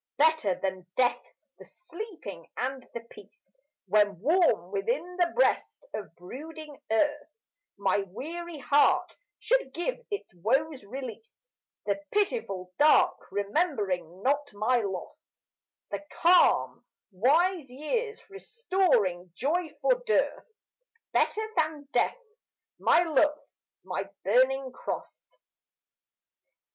Better than death the sleeping and the peace When warm within the breast of brooding Earth My weary heart should give its woes release, The pitiful dark remembering not my loss, The calm, wise years restoring joy for dearth Better than death, my love, my burning cross.